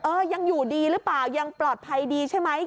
ยังอยู่ดีหรือเปล่ายังปลอดภัยดีใช่ไหม